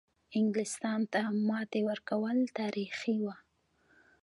انګلیستان ته ماتې ورکول تاریخي وه.